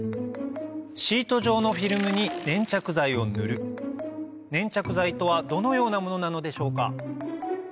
シート状のフィルムに粘着剤を塗る粘着剤とはどのようなものなのでしょうか